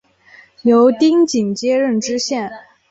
由丁谨接任知县。